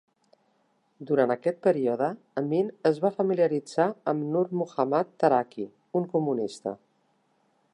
Durant aquest període Amin es va familiaritzar amb Nur Muhammad Taraki, un comunista.